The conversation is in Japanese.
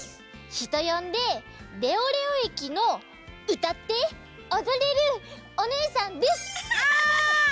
ひとよんで「レオレオえきのうたっておどれるおねえさん」です。